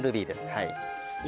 はい。